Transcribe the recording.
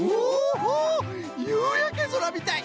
ほうゆうやけぞらみたい！